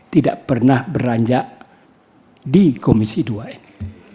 tidak pernah beranjak di komisi dua ini